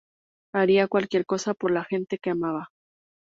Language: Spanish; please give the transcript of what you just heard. Haría cualquier cosa por la gente que amaba.